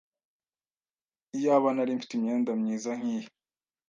Iyaba nari mfite imyenda myiza nkiyi!